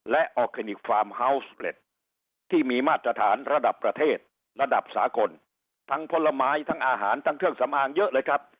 และออร์แกนิคฟาร์มเฮาวสเปรตที่มีมาตรฐานระดับประเทศระดับสากลทั้งผลไม้ทั้งอาหารทั้งเครื่องสำอางเยอะเลยครับ